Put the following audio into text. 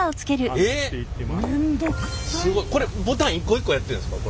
これボタン一個一個やってんですか？